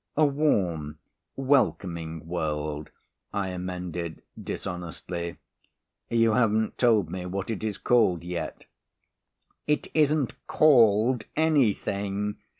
"A warm, welcoming world," I amended dishonestly. "You haven't told me what it is called yet." "It isn't called anything.